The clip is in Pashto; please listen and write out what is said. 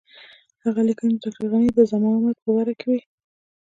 هغه لیکنې د ډاکټر غني د زعامت په باره کې وې.